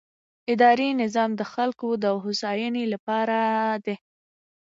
اداري نظام د خلکو د هوساینې لپاره دی.